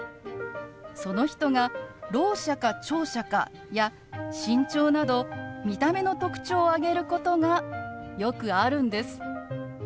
その人がろう者か聴者かや身長など見た目の特徴を挙げることがよくあるんです。